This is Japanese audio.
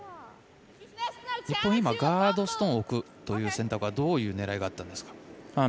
日本ガードストーンを置くという選択はどういう狙いがあるんですか。